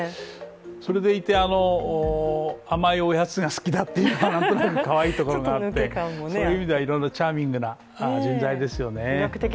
それでいて、甘いおやつが好きだっていうのがなんとなくかわいいところがあってそういう意味ではいろいろチャーミングな人材ですよね。